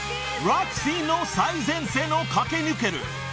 ［ロックシーンの最前線を駆け抜ける］